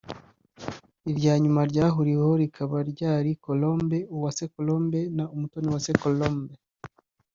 irya nyuma ryahuriweho rikaba irya Colombe; Uwase Colombe na Umutoniwase Colombe